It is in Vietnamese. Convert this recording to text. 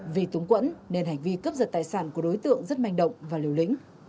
vì túng quẫn nên hành vi cướp giật tài sản của đối tượng rất manh động và liều lĩnh